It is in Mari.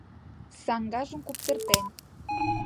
Саҥгажым куптыртен